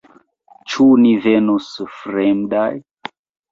Ĉu ni venos fremdaj?